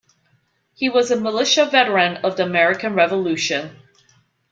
He was a militia veteran of the American Revolution.